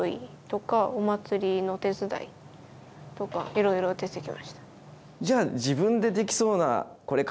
いろいろ出てきました。